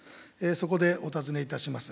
そこでお尋ねいたします。